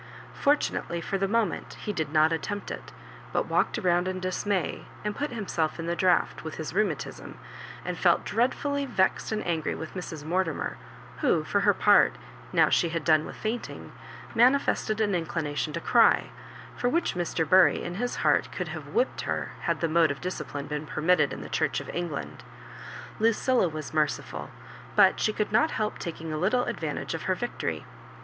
Fortunately for the moment he did not ntlempt it, but walked about in dis may, and put himself in the draught (with his rheumatism), and felt dreadfully vexed and angry with Mrs. Mortimer, who, for her part, now she had done with faintmg, manifested an inclination to cry, for which Mr. Bury in his heart could have whipped her, had that mode of discipline been permitted in the Church of Eng land. Lucilla was merciful, but she could not help taking a little advantage of her victory.